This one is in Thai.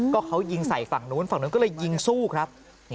ก็เขายิงใส่ฝั่งนู้นฝั่งนู้นก็เลยยิงสู้ครับ